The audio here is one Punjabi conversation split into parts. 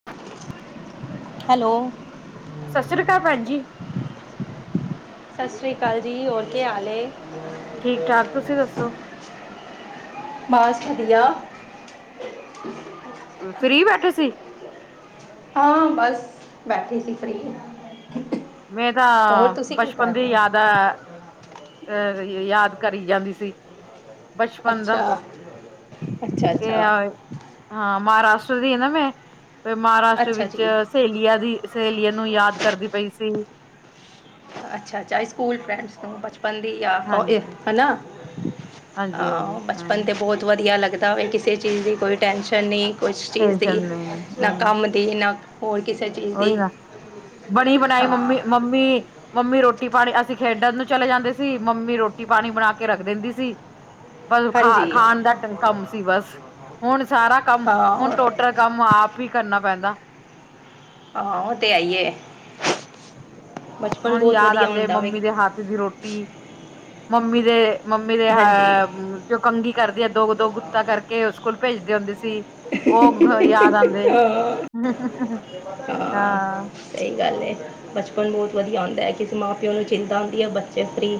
[inaudible] ਹੈਲੋ। ਸਤਿ ਸ਼੍ਰੀ ਅਕਾਲ ਭੈਣ ਜੀ। ਸਤਿ ਸ਼੍ਰੀ ਅਕਾਲ ਜੀ ਹੋਰ ਕੀ ਹਾਲ ਹੈ। ਠੀਕ ਠਾਕ ਤੁਸੀਂ ਦੱਸੋ। ਬਸ ਵਧੀਆ ਫਰੀ ਬੈਠੇ ਸੀ ਹਾਂ ਬਸ ਬੈਠੀ ਸੀ ਫਰੀ ਮੈਂ ਤਾਂ ਬਚਪਨ ਦੀ ਯਾਦ ਏ ਅਹ ਯਾਦ ਕਰੀ ਜਾਂਦੀ ਸੀ ਬਚਪਨ ਦਾ ਅੱਛਾ ਅੱਛਾ ਕਿ ਅੱਛਾ ਆ ਹਾਂ ਮਹਾਰਾਸ਼ਟਰ ਦੀ ਹੈ ਨਾ ਮੈਂ ਮਹਾਰਾਸ਼ਟਰ ਅੱਛਾ ਵਿੱਚ ਜੀ ਸਹੇਲੀਆਂ ਦੀ ਸਹੇਲੀਆਂ ਨੂੰ ਯਾਦ ਕਰਦੀ ਪਈ ਸੀ ਅੱਛਾ ਚੇ ਸਕੂਲ ਫਰੇਂਡ ਨੂੰ ਬਚਪਨ ਦੀ ਆ ਹਾਂਜੀ ਹਨਾ ਹਾਂਜੀ ਹਾਂਜੀ ਹ ਹਾਂ ਬਚਪਨ ਤੇ ਬਹੁਤ ਵਧੀਆ ਲੱਗਦਾ ਪਤਾ ਹੋਵੇ ਕਿਸੇ ਚੀਜ਼ ਦੀ ਕੋਈ ਟੈਂਨਸ਼ਨ ਨਹੀਂ ਕਿਸ ਚੀਜ਼ ਟੈਨਸ਼ਨ ਦੀ ਨਹੀਂ ਨਾ ਕੰਮ ਦੀ ਨਾ ਹੋਰ ਕਿਸੇ ਚੀਜ਼ ਦੀ ਓਹੀ ਨਾ ਬਣੀ ਬਣਾਈ ਹਾਂ ਮੰਮੀ ਮੰਮੀ ਮੰਮੀ ਰੋਟੀ ਪਾਣੀ ਅਸੀਂ ਖੇਡਣ ਨੂੰ ਚਲੇ ਜਾਂਦੇ ਸੀ ਮੰਮੀ ਰੋਟੀ ਪਾਣੀ ਬਣਾ ਕੇ ਰੱਖ ਦਿੰਦੀ ਸੀ ਬਸ ਖਾ ਹਾਂਜੀ ਖਾਣ ਦਾ ਕੰਮ ਸੀ ਬਸ ਹੁਣ ਸਾਰਾ ਕੰਮ ਹਾਂ ਹੁਣ ਟੋ ਕੰਮ ਆਪ ਹੀ ਕਰਨਾ ਪੈਂਦਾ ਆਹੋ ਉਹ ਤੇ ਹੈ ਈਏ ਹਾਂਣ ਯਾਦ ਆਉਂਦੇ ਮੰਮੀ ਦੇ ਹੱਥ ਦੀ ਰੋਟੀ ਮੰਮੀ ਦੇ ਮੰਮੀ ਦੇ ਹਾਂਜੀ ਹ ਜੋ ਕੰਘੀ ਕਰਦੀ ਆ ਦੋ ਕੁ ਦੋ ਗੁੱਤਾ ਕਰਕੇ ਸਕੂਲ ਭੇਜਦੇ ਹੁੰਦੇ ਸੀ ਉਹ ਯਾਦ ਆਉਂਦੇ [unintelligible] ਹਾਂ ਸਹੀ ਗੱਲ ਹੈ ਬਚਪਨ ਬਹੁਤ ਵਧੀਆ ਹੁੰਦਾ ਐ ਕਿਸੇ ਮਾਂ ਪਿਓ ਨੂੰ ਚਿੰਤਾ ਆਉਂਦੀ ਹੈ ਬੱਚੇ ਫਰੀ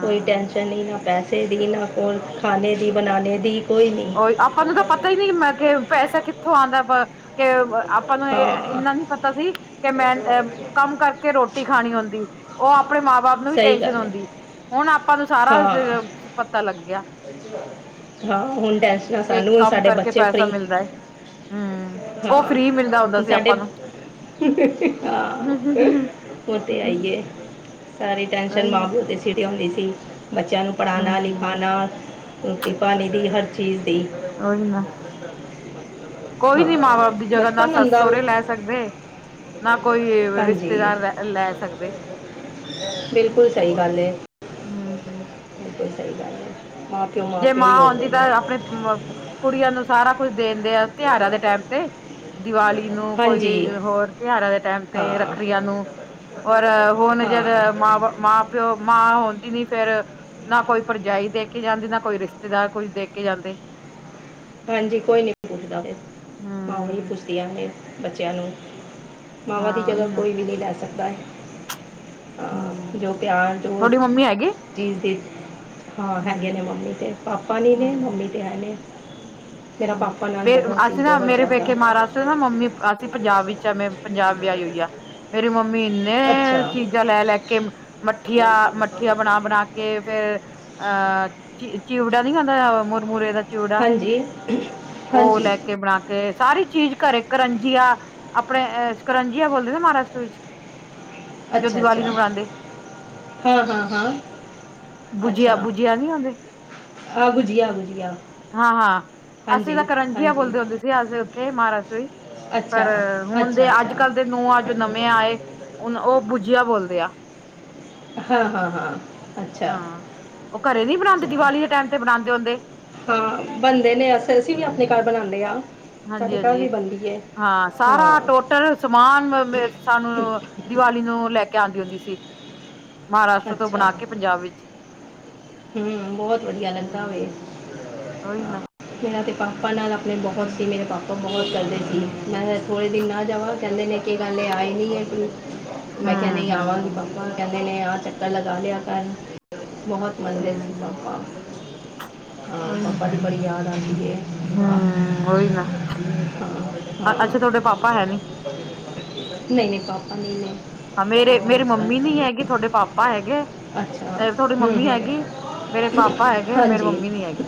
ਕੋਈ ਟੈਂਨਸ਼ਨ ਨਹੀਂ ਨਾ ਪੈਸੇ ਦੀ ਨਾ ਕੋਈ ਖਾਣੇ ਦੀ ਬਣਾਣੇ ਦੀ ਕੋਈ ਨਹੀਂ ਉਹਹੀ ਆਪਾਂ ਨੂੰ ਤਾਂ ਪਤਾ ਹੀ ਨਹੀਂ ਕਿ ਪੈਸਾ ਕਿੱਥੋਂ ਆਉਂਦਾ ਕੇ ਆਪਾਂ ਨੂੰ ਇਹ ਹਾਂ ਇੰਨਾ ਨੀ ਪਤਾ ਸੀ ਕਿ ਮੈਂ ਅ ਕੰਮ ਕਰਕੇ ਰੋਟੀ ਖਾਣੀ ਹੁੰਦੀ ਉਹ ਆਪਣੇ ਮਾਂ ਬਾਪ ਨੂੰ ਹੀ ਸਹੀ ਟੇਂਸ਼ਨ ਗੱਲ ਹੈ ਹੁੰਂਦੀ ਹੁਣ ਆਪਾਂ ਨੂੰ ਸਾਰਾ ਹਾਂ ਪਤਾ ਲੱਗ ਗਿਆ ਹਾਂ ਹੁਣ ਟੈਂਸ਼ਨਾਂ ਕਿ ਸਾਨੂੰ ਹੁਣ ਕੰਮ ਸਾਡੇ ਕਰਕੇ ਬੱਚੇ ਪੈਸਾ ਫ੍ਰਰੀ ਮਿਲਦਾ ਹੈ ਹਮ [unintelligible] ਉਹ ਫ੍ਰਰੀ ਮਿਲਦਾ ਹੁੰਦਾ ਹਾਂ ਸੀ ਸਾਡੇ ਆਪਾਂ ਨੂੰ [unintelligible] ਹਾਂ ਉ ' ਤੇ ਹੈ ਈਏ ਸਾਰੀ ਟੈਨਸ਼ਨ ਉਹੀ ਮਾਂ ਨਾ ਪਿਓ 'ਦੇ ਸਿਰ ਆਉਂਦੀ ਸੀ ਬੱਚਿਆਂ ਨੂੰ ਪੜ੍ਹਾਉਣਾ ਹਮ ਲਿਖਾਉਣਾ ਰੋਟੀ ਪਾਣੀ ਦੀ ਹਰ ਚੀਜ਼ ਦੀ ਉਹੀ ਨਾ ਕੋਈ ਹਾਂ ਨੀ ਮਾਂ ਬਾਪ ਦੀ ਜਗਾ ਨਾ ਬਚਪਨ ਸੱਸ ਹੁੰਦਾ ਸੋਹਰੇ ਲੈ ਸਕਦੇ ਨਾ ਕੋਈ ਹਾਂਜੀ ਰਿਸ਼ਤੇਦਾਰ ਲੈ ਲੈ ਸਕਦੇ। ਬਿਲਕੁਲ ਸਹੀ ਗੱਲ ਹੈ ਹਮ [inaudible] ਜੇ ਮਾਪਿਓ ਮਾਂ ਹੀ ਹੁੰਦੇ ਆਉਂਦੀ ਨੇ ਤਾਂ ਆਪਣੇ ਕੁੜੀਆਂ ਨੂੰ ਸਾਰਾ ਕੁਝ ਦੇਦੇ ਆ ਤਿਉਹਾਰਾਂ ਦੇ ਟਾਈਮ ਤੇ ਦੀਵਾਲੀ ਨੂੰ ਹਾਂਜੀ ਕੋਈ ਹੋਰ ਤਿਉਹਾਰਾਂ ਦੇ ਟਾਈਮ ਤੇ ਹਾਂ ਰੱਖੜੀਆਂ ਨੂੰ ਔਰ ਹੁਣ ਜਦ ਹਾਂ ਮਾਂ ਬਾਪ ਮਾਂ ਮਾਂ ਹੁੰਦੀ ਨੀ ਫਿਰ ਨਾ ਕੋਈ ਭਰਜਾਈ ਦੇ ਕੇ ਜਾਂਦੀ ਨਾ ਕੋਈ ਰਿਸ਼ਤੇਦਾਰ ਕੁੱਝ ਦੇਖ ਕੇ ਜਾਂਦੇ। ਹਾਂਜੀ। ਕੋਈ ਨਹੀਂ ਪੁੱਛਦਾ ਫੇਰ ਮਾਵਾ ਹੂੰ, ਪੁੱਛਦੀ ਨੇ ਬੱਚਿਆਂ ਨੂੰ ਮਾਵਾ ਦੀ ਹਾਂ ਜਗ੍ਹਾ ਉਹੀ ਨਾ ਕੋਈ ਵੀ ਨਹੀਂ ਲੈ ਸਕਦਾ ਹੈ। ਹਾਂ ਹਮ ਜੋ ਪਿਆਰ ਜੋ ਤੁਹਾਡੀ ਮੰਮੀ ਹੈਗੀ ਚੀਜ਼ ਦੇ ਹਾਂ ਹੈਗੇ ਨੇ ਹਾਂਜੀ ਮੰਮੀ ਤੇ ਪਾਪਾ ਨੀ ਨੇ ਹਾਂਜੀ ਮੰਮੀ ਤੇ ਹੈ ਨੇ ਮੇਰਾ ਹਮ ਪਾਪਾ ਨਾਲ ਵੇਖਲੋ ਬਹੁਤ ਸੀ ਅੱਜ ਬਹੁਤ ਮੇਰੇ ਜ਼ਿਆਦਾ ਪੇਕੇ ਮਹਾਰਾਜਟਰ ਵਿਚ ਨੇ ਮੰਮੀ ਅਸੀਂ ਪੰਜਾਬ ਵਿੱਚ ਆ ਪੰਜਾਬ ਵਿਆਹੀ ਹੋਈ ਆ ਮੇਰੀ ਮੰਮੀ ਇ ਇਹ ਅੱਛਾ ਚੀਜ਼ਾਂ ਲੈ ਲੈ ਕੇ ਮੱਠੀਆਂ ਮੱਠੀਆਂ ਬਣਾ ਬਣਾ ਕੇ ਫੇਰ ਅਹ ਚਿਵੜਾ ਨੀ ਖਉਂਦਾ ਮੁਰਮੁਰੇ ਦਾ ਚਿਵੜਾ ਹਾਂਜੀ। ਉਹ ਹਾਂਜੀ ਲੈ ਕੇ ਬਣਾ ਕੇ ਕੇ ਸਾਰੀ ਚੀਜ਼ ਘਰੇ ਕਰੰਜੀਆ ਆਪਣੇ ਕਰੰਜੀਆ ਬੋਲਦੇ ਸੀ ਮਹਾਰਾਸ਼ਟਰ ਵਿੱਚ ਜੋ ਦੀਵਾਲੀ ਨੂੰ ਮਨਾਉਂਦੇ ਹਾਂ-ਹਾਂ-ਹਾਂ ਭੁਜੀਆ-ਭੁਜਿਆ ਨੀ ਆਉਂਦੇ ਆ ਗੁਜੀਆ ਗੁਜੀਆ ਹਾਂ-ਹਾਂ ਅਸੀਂ ਹਾਂਜੀ ਤਾਂ ਕਰੰਜੀਆ ਹਾਂਜੀ ਬੋਲਦੇ ਹੁੰਦੇ ਸੀ ਅਸੀਂ ਉੱਥੇ ਮਹਾਰਾਸ਼ਟਰ ਵੀ ਅੱਛਾ ਪਰ ਹੁਣ ਅੱਛਾ ਦੇ ਅੱਜ ਅੱਛਾ ਕੱਲ੍ਹ ਦੇ ਨੂੰਆ ਜੋ ਨਵੇਂ ਆਏ ਹੁਨ ਉਹ ਬੂਜੀਆ ਬੋਲਦੇ ਆ। ਹਾਂ-ਹਾਂ-ਹਾਂ ਹਾਂ ਉਹ ਘਰੇ ਨੀ ਬਣਾਉਂਦੇ ਦੀਵਾਲੀ ਦੇ ਟਾਈਮ ਤੇ ਬਣਾਉਂਦੇ ਹੁੰਦੇ। ਹਾਂ ਬੰਦੇ ਨੇ ਅਸੀਂ ਵੀ ਆਪਣੇ ਘਰ ਬਣਾਉਂਦੇ ਹਾਂ। ਸਾਡੇ ਘਰ ਹਾਂਜੀ-ਹਾਂਜੀ। ਵੀ ਬਣਦੀ ਹੈ ਹਾਂ ਸਾਰਾ ਹਾਂ ਟੋਟਲ ਸਮਾਨ ਸਾਨੂੰ ਦੀਵਾਲੀ ਨੂੰ ਲੈ ਕੇ ਆਉਂਦੀ ਹੁੰਦੀ ਸੀ। ਮਹਾਰਾਸ਼ਟਰ ਤੋਂ ਬਣਾ ਕੇ ਪੰਜਾਬ ਵਿੱਚ ਹਮ ਬਹੁਤ ਵਧੀਆ ਲੱਗਦਾ ਵੇ। ਹਮ ਉਹੀ ਨਾ ਮੇਰਾ ਅਤੇ ਪਾਪਾ ਨਾਲ ਆਪਣੇ ਬਹੁਤ ਸੀ ਮੇਰੇ ਪਾਪਾ ਬਹੁਤ ਕਰਦੇ ਸੀ ਮੈਂ ਹਮ ਥੋੜੇ ਦਿਨ ਨਾ ਜਾਵਾਂ ਕਹਿੰਦੇ ਨੇ ਕੀ ਗੱਲ ਆਏ ਨੀ ਹੈ ਮੈਂ ਕਿਹਾ ਹਮ ਨਹੀਂ ਆਵਾਂਗੀ ਹਮ ਪਾਪਾ ਕਹਿੰਦੇ ਨੇ ਆਹ ਚੱਕਰ ਲਗਾ ਲਿਆ ਕਰ ਬਹੁਤ ਮਨਦੇ ਸੀ ਹਮ ਪਾਪਾ ਹਾਂ। ਉਹੀ ਨਾ ਪਾਪਾ ਦੀ ਬੜੀ ਯਾਦ ਆਉਂਦੀ ਵੈ। ਹਾਂ, ਹਮ ਉਹੀ ਨਾ ਅੱਛਾ ਤੁਹਾਡੇ ਪਾਪਾ ਹੈ ਨੀ ਨਹੀਂ-ਨਹੀਂ ਪਾਪਾ ਨਹੀਂ ਹੈ। ਹਾਂ ਮੇਰੇ ਮੰਮੀ ਨੀ ਹੈਗੀ ਤੁਹਾਡੇ ਪਾਪਾ ਹੈਗੇ ਅੱਛਾ ਤੁਹਾਡੀ ਹੂੰ ਮੰਮੀ ਹੂੰ ਹੈਗੀ ਮੇਰੇ ਪਾਪਾ ਹੈਗੇ ਮੇਰੇ ਮੰਮੀ ਨੀ ਹੈਗੀ।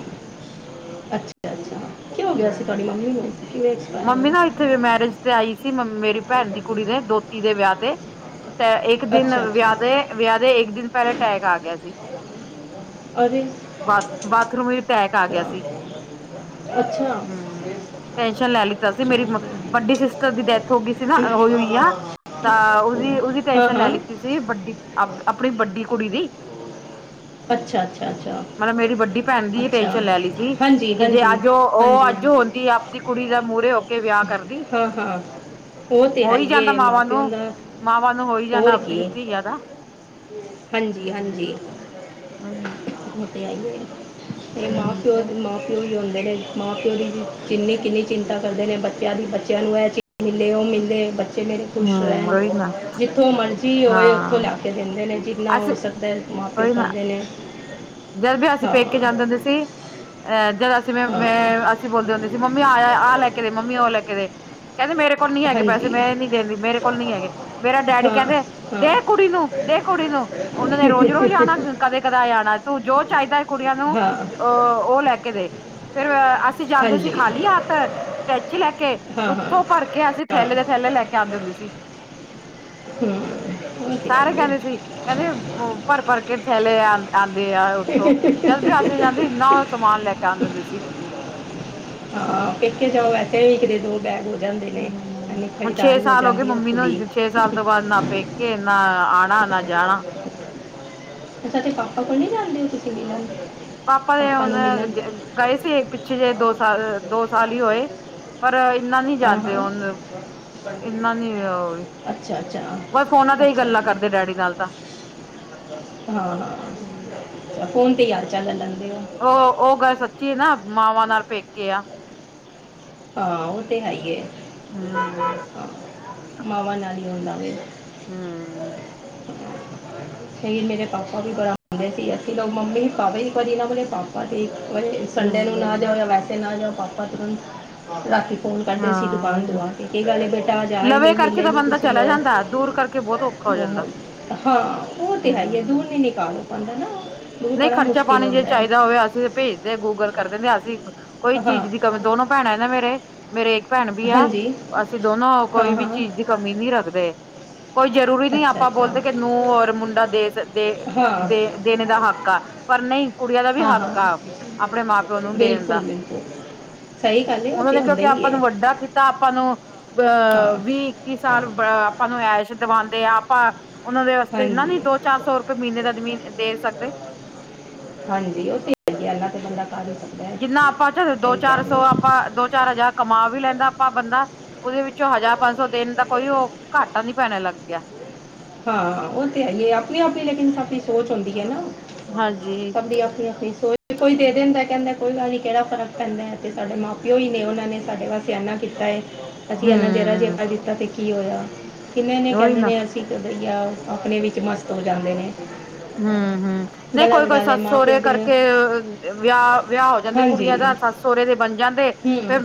ਅੱਛਾ-ਅੱਛਾ ਕੀ ਹੋ ਗਿਆ ਸੀ ਤੁਹਾਡੀ ਹਮ ਮੰਮੀ ਨੂੰ ਐਕਸਪਾਇਰ ਹੋ ਮੰਮੀ ਨਾ ਗਏ ਉੱਥੇ ਵੀ ਮੈਰਿਜ ਤੇ ਆਈ ਸੀ ਮੇਰੀ ਭੈਣ ਦੀ ਕੁੜੀ ਦੇ ਦੋਤੀ ਦੇ ਵਿਆਹ ਤੇ ਇੱਕ ਇੱਕ ਦਿਨ ਅੱਛਾ ਵਿਆਹ ਦੇ ਅੱਛਾ ਵਿਆਹ ਦੇ ਇੱਕ ਦਿਨ ਪਹਿਲਾਂ ਅਟੈਕ ਆ ਗਿਆ ਸੀ। ਬਾਥਰੂਮ ਅਟੈਕ ਆ ਗਿਆ ਸੀ ਅੱਛਾ-ਅੱਛਾ ਚਲ ਲੈ ਲਿੱਤਾ ਸੀ ਮੇਰੀ ਵੱਡੀ ਸਿਸਟਰ ਦੀ ਡੈਥ ਹੋ ਗਈ ਸੀ ਨਾ ਹੋ ਹੋਈ ਆ ਤਾਂ ਉਹਦੀ ਉਹਦੀ ਹਾਂ ਟੈਨਸ਼ਨ ਲੈ ਹਾਂ ਲਿੱਤੀ ਸੀ ਵੱਡੀ ਆਪਣੀ ਵੱਡੀ ਕੁੜੀ ਦੀ [inaudible] ਮਤਲਬ ਮੇਰੀ ਵੱਡੀ ਭੈਣ ਦੀ ਟੈਸ਼ਨ ਲੈ ਲਈ ਸੀ ਅੱਛਾ-ਅੱਛਾ-ਅੱਛਾ-ਅੱਛਾ ਹਾਂਜੀ-ਹਾਂਜੀ-ਹਾਂਜੀ -ਹਾਂਜੀ ਦੀ ਆਪਦੀ ਕੁੜੀ ਦਾ, ਮੂਹਰੇ ਹੋ ਕੇ ਵਿਆਹ ਕਰਦੀ। ਹਾਂ ਹਾਂ ਉਹ ਤੇ ਹੈ ਹੋਈ ਹੀ ਜਾਂਦਾ ਹੈ ਮਾਂ ਮਾਵਾਂ ਨੂੰ, ਪਿਓ ਦਾ ਮਾਵਾਂ ਨੂੰ ਹੋਈ ਜਾਂਦਾ। ਆਪਦੀ ਧੀਆਂ ਦਾ। ਹਾਂਜੀ-ਹਾਂਜੀ। ਹੋਈ ਨਾ। ਆਈਏ ਅਤੇ ਮਾਂ ਪਿਓ ਤੇ ਮਾਂ ਪਿਓ ਹੀ ਹੁੰਦੇ ਨੇ। ਮਾਂ- ਪਿਓ, ਦੀ ਜਿੰਨੀ ਕਿੰਨੀ ਚਿੰਤਾ ਕਰਦੇ ਨੇ ਬੱਚਿਆਂ ਦੀ, ਬੱਚਿਆਂ ਨੂੰ ਇਹ ਚੀਜ਼ ਮਿਲੇ, ਉਹ ਮਿਲ ਲੇ। ਕਿਵੇਂ ਖੁਸ਼ ਰਹਿਣ। ਉਹੀ ਨਾ ਜਿੱਥੋਂ ਮਰਜ਼ੀ ਜੀ ਉਹਏ, ਉੱਥੋਂ ਹਾਂ ਲੈ ਕੇ ਦਿੰਦੇ ਨੇ। ਜਿੰਨਾ ਅਸੀਂ ਹੋ ਸਕਦਾ ਮਾਂ- ਪਿਓ, ਉਹੀ ਨਾ ਕਰਦੇ ਨੇ। ਜਦ ਵੀ ਅਸੀਂ, ਹਾਂ ਪੇਕੇ ਜਾਂਦੇ ਹੁੰਦੇ ਸੀ। ਅਹ ਜਦ ਅਸੀਂ ਜਿਵੇਂ ਹਾਂ ਮੈਂ, ਅਸੀਂ ਬੋਲਦੇ ਹੁੰਦੇ ਸੀ। ਮੰਮੀ ਆ ਆਹ ਲੈ ਕੇ ਦੇ। ਮੰਮੀ ਉਹ ਲੈ ਕੇ ਦੇ। ਕਹਿੰਦੇ ਮੇਰੇ ਕੋਲ, ਨੀ ਹੈਗੇ ਪੈਸੇ। ਹਾਂਜੀ ਮੈਂ ਨਹੀਂ ਦੇਦੀ। ਮੇਰੇ ਕੋਲ ਨਹੀਂ ਹੈਗੇ। ਮੇਰਾ ਡੈਡੀ ਹਾਂ ਕਹਿੰਦੇ ਹਾਂ ਦੇ ਕੁੜੀ ਨੂੰ, ਦੇ ਕੁੜੀ ਨੂੰ, ਉਹਨਾਂ ਨੇ ਰੋਜ਼- ਰੋਜ਼, ਆਉਣਾ। ਕਦੇ- ਕਦਾਏ ਆਣਾ। ਤੂੰ ਜੋ ਚਾਹੀਦਾ ਹੈ। ਕੁੜੀਆਂ ਨੂੰ, ਹਾਂ ਅ ਉਹ ਲੈ ਕੇ ਦੇ। ਫੇਰ ਅਸੀਂ ਜਾਂਦੇ ਸੀ। ਹਾਂਜੀ ਖਾਲੀ ਹੱਤ ਟੈਚੀ ਲੈ ਕੇ, ਹਾਂ ਹਾਂ ਉੱਥੋਂ ਭਰ ਕੇ ਅੰਦੇ ਸੀ। ਹਾਂ ਥੈਲੇ ਦੇ, ਥੈਲੇ ਲੈ ਕੇ, ਆਉਂਦੇ ਹੁੰਦੇ ਸੀ। [inaudible] ਉਹ ਤੇ ਸਾਰੇ ਆਈਏ ਕਹਿੰਦੇ ਸੀ। ਕਹਿੰਦੇ ਭਰ- ਭਰ, ਕੇ ਥੈਲੇ ਆ ਆਉਂਦੇ। ਉੱਥੋਂ, ਚੱਲ ਵੀ ਅਸੇ ਜਾਂਦੇ। ਇੰਨਾ ਉਹ, ਸਮਾਨ ਲੈ ਕੇ ਆ ਆਉਂਦੇ ਸੀ। ਹਾਂ, ਪੇਕੇ ਜਾਓ, ਵੈਸੇ ਵੀ, ਇੱਕ ਦੇ, ਦੋ ਬੈਗ ਹੋ। ਜਾਂਦੇ ਨੇ ਹੂੰ। ਇੰਨੀ ਹੁਣ ਛੇ ਖਰੀਦਦਾਰੀ ਸਾਲ, ਹੋ ਗਏ ਜਾਂਦੀ ਹੈ ਮੰਮੀ ਉੱਥੋਂ ਦੀ ਨੂੰ। ਛੇ ਸਾਲ ਤੋਂ, ਬਾਅਦ ਨਾ ਪੇਕੇ, ਨਾ ਆਉਣਾ, ਨਾ ਜਾਣਾ। ਤੁਹਾਡੇ ਪਾਪਾ ਕੋਲ ਨੀ, ਜਾਣਦੇ ਹੋ ਤੁਸੀਂ? ਉਨਾਂ ਨੂੰ ਪਾਪਾ ਦੇ, ਹੁਣ ਮਿਲਣ ਗਏ ਸੀ। ਪਿੱਛੇ ਜਿਹੇ ਦੋ ਸਾਲ, ਦੋ ਸਾਲ ਹੀ ਹੋਏ। ਪਰ ਇਨਾ ਨੀ ਹਾਂ ਜਾਂਦੇ। ਹਾਂ ਹੂਨ ਇਨਾ, ਨੀ ਉਹ ਵੀ। ਅੱਛਾ- ਅੱਛਾ। ਬੱਸ ਫੋਨਾਂ ਤੇ ਹੀ, ਅੱਛਾ ਗੱਲਾਂ ਜੀ ਕਰਦੇ, ਡੈਡੀ ਨਾਲ ਤਾਂ। ਹਾਂ, ਫੋਨ ਤੇ ਹਾਲ- ਚੱਲ ਲੈਂਦੇ ਆ। ਉਹ, ਉਹ ਗੱਲ ਸੱਚੀ ਹੈ, ਨਾ। ਮਾਵਾਂ ਨਾਲ ਪੇਕੇ ਆ। ਹਾਂ, ਉਹ ਤੇ ਹੈ ਹੀਏ। ਹਮ ਹ ਮਾਵਾਂ ਨਾਲ, ਹੀ ਹੁੰਦਾ ਵੇ। ਹੂੰ। ਫੇਰ, ਮੇਰੇ ਪਾਪਾ ਵੀ ਬੜਾ ਆਉਂਦੇ ਸੀ। ਅਸੀਂ ਲੋਕ ਮੰਮੀ ਪਾਵੇ ਸੀ। [unintelligible] ਕੱਦੀ ਨਾਂ ਬੀ ਪਾਪਾ ਬੱਸ ਸੰਡੇ ਨੂੰ ਨਾ ਜਾਓ। ਹਮ ਜਾਂ ਵੈਸੇ ਨਾ ਜਾਓ। ਪਾਪਾ ਤਾਂ ਰਾਤੀ ਫੋਨ ਕਰਦੇ ਸੀ। ਦੁਕਾਨ ਹਾਂ ਤੋਂ ਆ ਕੇ। ਕੀ ਗੱਲ ਬੇਟਾ, ਅੱਜ ਆਏ ਲਵੇ ਨਹੀਂ। ਕਰਕੇ ਮਿਲੇ ਤਾਂ ਨੀ ਬੰਦਾ ਤੁਸੀਂ ਚਲਾ ਲੋਕ। ਜਾਂਦਾ ਦੂਰ ਕਰਕੇ ਬਹੁਤ ਔਖਾ ਹੋ ਜਾਂਦਾ। ਹਾਂ, ਉਹ ਤੇ ਹੈ ਹੀ ਹੈ। ਦੂਰ ਨੀ ਨਿਕਾਲ ਪਾਉਂਦਾ ਨਾ। ਦੂਰ ਨਹੀਂ ਬੜਾ ਖਰਚਾ- ਮੁਸ਼ਕਿਲ ਪਾਣੀ, ਜੇ ਹੁੰਦਾ ਹੈ ਚਾਹੀਦਾ ਹੋਵੇ। ਅਸੀਂ ਭੇਜਦੇ, ਗੂਗਲ ਕਰ ਦਿੰਦੇ। ਅਸੀਂ ਕੋਈ ਹਾਂ ਚੀਜ਼ ਦੀ ਦੋਨੋ ਭੈਣਾਂ ਨਾ ਮੇਰੇ। ਮੇਰੇ ਇੱਕ ਭੈਣ ਵੀ ਆ। ਹਾਂਜੀ ਅਸੀਂ ਦੋਨੋ ਹਾਂ ਕੋਈ ਵੀ ਹਾਂ ਚੀਜ਼ ਕਮੀ, ਨਹੀਂ ਰੱਖਦੇ। ਕੋਈ ਜ਼ਰੂਰੀ ਨਹੀਂ। ਅੱਛਾ ਆਪਾਂ ਅੱਛਾ ਬੋਲਦੇ, ਕਿ ਨੂੰਹ ਔਰ ਮੁੰਡਾ, ਦੇ ਦੇ ਹਾਂ ਦੇ ਦੇਣੇ ਦਾ ਹੱਕ। ਆ ਪਰ ਨਹੀਂ ਕੁੜੀਆਂ ਦਾ ਵੀ ਹਾਂ- ਹਾਂ। ਹੱਕ ਆ ਆਪਣੇ ਮਾਂ ਪਿਓ ਨੂੰ ਦੇਣ ਦਾ ਬਿਲਕੁੱਲ- ਬਿਲਕੁੱਲ। ਸਹੀ ਗੱਲ ਏ। ਉਹਨਾਂ ਉੱਥੇ ਨੇ ਆਉਂਦੇ। ਕਿਉਂਕਿ ਆਪਾਂ ਨੂੰ, ਵੱਡਾ ਕੀਤਾ। ਆਪਾਂ ਨੂੰ ਆਹ ਹਾਂ ਵੀਹ, ਇੱਕੀ ਸਾਲ ਆਪਾਂ ਨੂੰ, ਐਸ਼ ਦਿਵਾਉਂਦੇ ਆ। ਆਪਾਂ ਉਹਨਾਂ ਦੇ ਵਾਸਤੇ, ਇਨਾ ਹਾਂਜੀ ਨੀ ਦੋ, ਚਾਰ ਸੌ ਰੁਪਏ ਮਹੀਨੇ ਦਾ, ਜ਼ਮੀਨ ਦੇ ਸਕਦੇ। ਹਾਂਜੀ। ਉਹ ਤੇ ਏਨਾ ਤੇ, ਬੰਦਾ ਕਰ ਸਕਦਾ। ਹੈ ਜਿੰਨਾ ਆਪਾਂ ਚ, ਦੋ ਸਹੀ ਚਾਰ ਕਹਿ ਸੌ, ਰਹੇ ਹੋ ਆਪਾਂ ਦੋ ਚਾਰ ਹਜ਼ਾਰ। ਕਮਾ ਵੀ, ਲੈਂਦਾ ਆਪਾਂ ਬੰਦਾ। ਉਹਦੇ ਵਿੱਚੋਂ ਹਜ਼ਾਰ, ਪੰਜ ਸੌ, ਦਿਣ ਦਾ ਕੋਈ, ਉਹ ਘਾਟਾ ਨੀ ਪੈਣ ਲੱਗ ਗਿਆ। ਹਾਂ। ਉਹ ਤਾਂ, ਹੈ ਹੀ ਹੈ। ਆਪਣੀ- ਆਪਣੀ, ਲੇਕਿਨ ਸੱਭ ਦੀ, ਸੋਚ ਹੁੰਦੀ ਹੈ ਨਾ। ਹਾਂਜੀ ਸੱਭ ਦੀ ਆਪਣੀ- ਆਪਣੀ, ਸੋਚ। ਕੋਈ ਦੇ ਦਿੰਦਾ, ਕਹਿੰਦਾ ਕੋਈ ਗੱਲ ਨੀ। ਕਿਹੜਾ ਫ਼ਰਕ ਪੈਂਦਾ। ਤੇ ਸਾਡੇ ਮਾਂ- ਪਿਓ, ਹੀ ਨੇ। ਉਹਨਾਂ ਨੇ ਸਾਡੇ, ਵਾਸਤੇ ਇਨਾ। ਕੀਤਾ ਏ। ਅਸੀਂ ਇੰਨਾ ਜ਼ਿਰਾ, ਜੇ ਹਮ ਆ ਦਿੱਤਾ ਤੇ ਕੀ ਹੋਇਆ। ਕਿੰਨੇ ਜਣੇ ਉਹੀ ਕਹਿੰਦੇ ਨਾ ਨੇ ਅਸੀਂ। ਆ ਆਪਣੇ ਵਿੱਚ ਮਸਤ ਹੋ ਜਾਂਦੇ ਨੇ। ਹੂੰ ਹੂੰ ਨਹੀਂ ਕੋਈ ਗਲਤ ਕੋਈ ਗੱਲ ਹੈ ਸੱਸ ਮਾਪਿਓ ਸਹੁਰੇ ਦੇ ਕਰਕੇ ਵਿਆਹ ਵਿਆਹ ਹੋ ਜਾਂਦੇ ਹਾਂਜੀ ਕੁੜੀਆਂ ਦਾ ਸੱਸ ਸਹੁਰੇ ਦੇ ਬਣ ਜਾਂਦੇ ਹੂੰ ਫਿਰ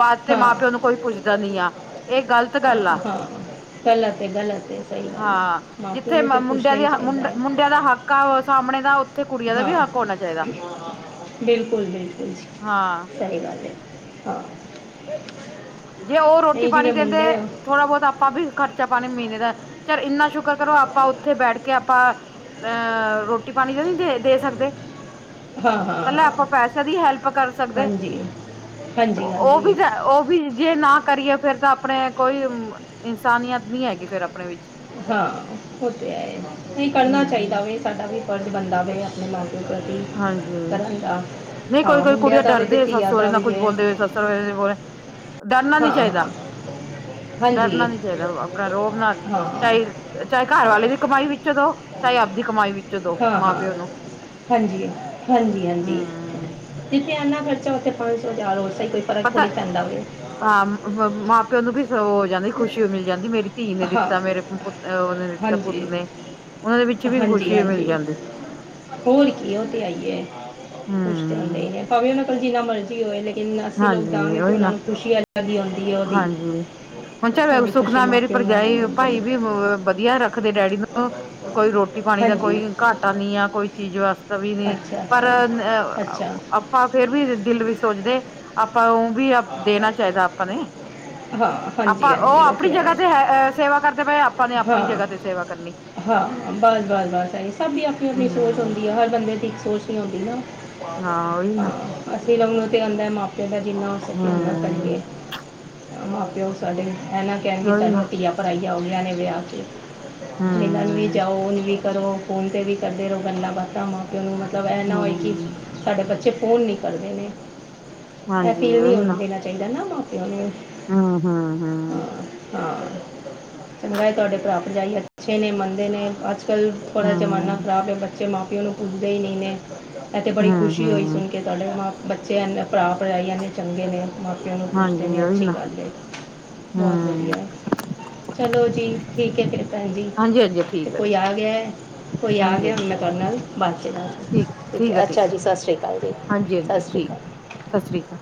ਬਾਅਦ ਚ ਹਾਂ ਮਾਂ ਪਿਓ ਨੂੰ ਕੋਈ ਪੁੱਛਦਾ ਨਹੀਂ ਆ ਇਹ ਗਲਤ ਗੱਲ ਆ। ਗ਼ੱਲਤ- ਗੱਲਤ, ਏ ਬਾਣੀ। ਹਾਂ ਜਿੱਥੇ ਮੁੰਡਿਆਂ ਦੀ ਚਾਹੀਦਾ ਹੈ ਮੁੰਡਿਆਂ ਦਾ ਹੱਕ ਆ ਸਾਹਮਣੇ ਦਾ ਕੁੜੀਆਂ ਦਾ ਵੀ ਹਾਂ ਹੱਕ ਹੋਣਾ ਚਾਹੀਦਾ ਬਿਲਕੁੱਲ ਬਿਲਕੁੱਲ ਜੀ ਹਾਂ ਸਹੀ ਗੱਲ ਹੈ। ਹਾਂ। ਜੇ ਉਹ ਰੋਟੀ ਨਹੀਂ ਪਾਣੀ ਜਿਵੇਂ ਦਿੰਦੇ। ਮੁੰਡੇ ਆ ਥੋੜ੍ਹਾ ਬਹੁਤਾ ਆਪਾਂ ਵੀ ਖਰਚਾ ਪਾਣੀ ਮਹੀਨੇ ਦਾ ਚਲ ਇੰਨਾ ਸ਼ੁਕਰ ਕਰੋ ਆਪਾਂ ਉੱਥੇ ਬੈਠ ਕੇ ਆਪਾਂ ਅਹ ਰੋਟੀ ਪਾਣੀ ਦਾ ਨਹੀਂ ਦੇ ਦੇ ਸਕਦੇ। ਹਾਂ ਹਾਂ ਹਾਂ ਆਪਾਂ ਪੈਸਿਆਂ ਦੀ ਹੈਲਪ ਕਰ ਸਕਦੇ। ਹਾਂਜੀ ਹਾਂਜੀ ਉਹ ਵੀ ਹਾਂਜੀ ਤਾਂ ਉਹ ਵੀ ਜੇ ਨਾ ਕਰੀਏ ਫਿਰ ਤਾਂ ਆਪਣੇ ਕੋਈ ਇਨਸਾਨੀਅਤ ਨਹੀਂ ਹੈਗੀ ਫਿਰ ਆਪਣੇ ਵਿੱਚ। ਹਾਂ ਉਹ ਤਾਂ ਹੈ। ਨਹੀਂ ਕਰਨਾ ਹਮ ਚਾਹੀਦਾ ਵੇ ਸਾਡਾ ਵੀ ਫਰਜ਼ ਬਣਦਾ ਵੇ ਆਪਣੇ ਮਨ ਹਾਂਜੀ ਨਹੀਂ ਕੋਈ ਹਾਂ ਕੋਈ ਮੁੰਡਿਆਂ ਕੁੜੀਆਂ ਦਾ ਵੀ ਤੇ ਡਰਦੇ ਸੱਸ ਧੀਆਂ ਸਹੁਰੇ ਦਾ ਨਾਲ ਵੀ ਕੁੱਝ ਹੈ ਬੋਲਦੇ ਹੋਏ ਸੱਸ ਡਰਨਾ ਨਹੀਂ ਹਾਂ ਚਾਹੀਦਾ। ਹਾਂ ਡਰਨਾ ਹਾਂਜੀ ਨਹੀਂ ਚਾਹੀਦਾ। ਆਪਣਾ ਰੋਬ ਨਾਲ ਹਾਂ ਹਾਂ ਚਾਹੇ ਚਾਹੇ ਘਰ ਵਾਲੇ ਦੀ ਹਾਂ ਕਮਾਈ ਵਿੱਚੋਂ ਦਓ। ਚਾਹੇ ਆਪਦੀ ਕਮਾਈ ਵਿੱਚੋਂ ਦਓ ਮਾਂ ਹਾਂ ਪਿਓ ਨੂੰ। ਹਾਂਜੀ ਹਾਂਜੀ ਹਾਂਜੀ ਹਮ ਜਿੱਥੇ ਇੰਨਾ ਖਰਚਾ ਉੱਥੇ ਪੰਜ ਸੌ ਹਜਾਰ ਹੋਰ ਸਹੀ ਕੋ ਫਰਕ ਪਤਾ [unintelligible] ਪੈਂਦਾ ਵੀ ਐ। ਹਾਂ ਮਾਂ ਪਿਓ ਨੂੰ ਵੀ ਸੋ ਜਾਂਦੀ ਖੁਸ਼ੀ ਉਹ ਮਿਲ ਜਾਂਦੀ ਮੇਰੀ ਧੀ ਨੇ ਹਾਂ ਦਿੱਤਾ। ਮੇਰੇ ਪੁੱਤ ਉਹ ਨੇ ਦਿੱਤਾ ਪੁੱਤ ਹਾਂਜੀ ਨੇ। ਉਹਨਾਂ ਦੇ ਵਿੱਚ ਵੀ ਹਾਂਜੀ ਖੁਸ਼ੀ ਮਿਲ ਹਾਂਜੀ ਜਾਂਦੀ। ਹੋਰ ਕੀ ਉਹ ਤੇ ਹੈ ਈ ਐ ਕੁਛ ਤੇ ਹੁੰਦਾ ਹਮ ਹੀ ਨੇ। ਭਾਵੇਂ ਉਹਨਾਂ ਕੋਲ ਜਿੰਨਾ ਮਰਜ਼ੀ ਹੋਵੇ। ਲੇਕਿਨ ਅਸੀਂ ਲੋਕ ਹਾਂਜੀ ਦਵਾਂਗੇ ਤਾਂ ਉਹੀ ਉਹਨਾਂ ਨਾ ਨੂੰ ਖੁਸ਼ੀ ਅਲੱਗ ਹੀ ਆਉਂਦੀ ਹੈ ਉਹਦੀ। ਹਾਂਜੀ ਹੁਣ ਚੱਲ ਉਹਦੀ ਸੁਖ ਖੁਸ਼ੀ ਨਾ ਮੇਰੀ ਮਾਪਿਆਂ ਨੂੰ ਅਲੱਗ ਭਰਜਾਈ ਹੁੰਦੀ ਭਾਈ ਵੀ ਹੈ ਵਧੀਆ ਰੱਖਦੇ ਡੈਡੀ ਨੂੰ। ਕੋਈ ਰੋਟੀ ਪਾਣੀ ਦਾ ਹਾਂਜੀ ਕੋਈ ਘਾਟਾ ਨਹੀਂ ਆ। ਕੋਈ ਚੀਜ਼ ਵਾਸਤੇ ਵੀ ਨਹੀਂ ਅੱਛਾ ਪਰ ਅ ਅੱਛਾ ਅੱਛਾ ਆਪਾਂ ਫਿਰ ਵੀ ਦਿਲ ਵਿੱਚ ਸੋਚਦੇ ਆਪਾਂ ਉਹ ਵੀ ਦੇਣਾ ਚਾਹੀਦਾ ਆਪਾਂ ਨੇ। ਹਾਂ। ਆਪਾਂ ਉਹ ਆਪਣੀ ਜਗ੍ਹਾ ਤੇ ਹੈ ਸੇਵਾ ਕਰਦੇ ਪਏ ਆਪਾਂ ਨੇ ਆਪਣੀ ਹਾਂ ਜਗ੍ਹਾ ਤੇ ਸੇਵਾ ਕਰਨੀ। ਹਾਂ ਬਸ ਬਸ ਬਸ ਹੈ। ਸਭ ਦੀ ਆਪਣੀ ਆਪਣੀ ਸੋਚ ਹਮ ਹੁੰਦੀ ਹੈ ਹਰ ਬੰਦੇ ਦੀ ਇੱਕ ਸੋਚ ਆਉਂਦੀ ਨਾ। ਹਾਂ ਉਹੀ ਨਾ ਅਸੀਂ [unintelligible] ਤੇ ਆਉਂਦਾ ਮਾਪਿਆਂ ਦਾ ਜਿੰਨਾ ਇਹਨਾਂ ਹਮ ਕਰੀਏ। ਮਾਂ ਪਿਓ ਸਾਡੇ ਇਹ ਨਾਂ ਕਹਿਣਗੇ ਉਹੀ ਨਾ ਸਾਡੀਆਂ ਧੀਆਂ ਪਰਾਈਆਂ ਹੋ ਗਈਆਂ ਨੇ ਵਿਆਹ ਕੇ। ਮਿਲਣ ਵੀ ਹਮ ਜਾਓ ਉਹ ਵੀ ਕਰੋ। ਫੋਨ ਤੇ ਵੀ ਕਰਦੇ ਰਹੋ ਗੱਲਾਂ ਬਾਤਾਂ ਮਾਂ ਪਿਓ ਨੂੰ ਮਤਲਬ ਇਹ ਨਾ ਹੋਏ ਕਿ ਹਮ ਸਾਡੇ ਬੱਚੇ ਫੋਨ ਨਹੀਂ ਕਰਦੇ ਨੇ। ਇਹ ਹਾਂਜੀ ਫੀਲ ਨਹੀਂ ਹੁੰਦਾ। ਕਰਨਾ ਚਾਹੀਦਾ ਨਾ ਮਾਂ ਪਿਓ ਨੂੰ। ਹੂੰ ਹੂੰ ਹੂੰ। ਹਾਂ ਹਾਂ ਚੰਗਾ ਐ ਤੁਹਾਡੇ ਭਰਾ ਭਰਜਾਈ ਅੱਛੇ ਨੇ ਮੰਨਦੇ ਨੇ ਅ ਅੱਜ ਕੱਲ੍ਹ ਥੋੜ੍ਹਾ ਜ਼ਮਾਨਾ ਹਮ ਖਰਾਬ ਹੈ। ਬੱਚੇ ਮਾਂ ਪਿਓ ਨੂੰ ਪੁੱਛਦੇ ਹੀ ਨਹੀਂ ਨੇ। ਇਹ ਤੇ ਬੜੀ ਹੂੰ ਖੁਸ਼ੀ ਹੋਈ ਹੂੰ ਸੁਣ ਕੇ ਤੁਹਾਡੇ ਮਾਂ ਬੱਚੇ ਇੰਨੇ ਭਰਾ ਭਰਜਾਈ ਨੇ ਚੰਗੇ ਨੇ ਮ ਬੱਚਿਆਂ ਨੂੰ ਪੁੱਛਦੇ ਹਾਂਜੀ ਨੇ। ਉਹੀ ਅੱਛੀ ਨਾ ਗੱਲ ਹੈ ਬਹੁਤ ਹੂੰ ਵਧੀਆ। ਚਲੋ ਜੀ ਠੀਕ ਹੈ ਫਿਰ ਭੈਣ ਜੀ ਹਾਂਜੀ ਹਾਂਜੀ ਤੇ ਠੀਕ ਕੋਈ ਠੀਕ ਆ ਗਿਆ ਹੈ। ਕੋਈ ਆ ਹਾਂਜੀ ਗਿਆ ਹੁਣ ਹਾਂਜੀ ਮੈਂ ਤੁਹਾਡੇ ਨਾਲ ਬਾਦ ਚ ਗੱਲ ਕਰਦੀ। ਠੀਕ ਹੈ ਅੱਛਾ ਜੀ ਸਤਿ ਸ਼੍ਰੀ ਅਕਾਲ ਜੀ। ਹਾਂਜੀ ਸਤਿ ਹਾਂਜੀ ਸ਼੍ਰੀ ਠੀਕ। ਅਕਾਲ ਸਤਿ ਸ਼੍ਰੀ ਅਕਾਲ।